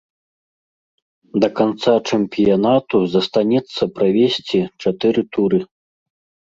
Да канца чэмпіянату застанецца правесці чатыры туры.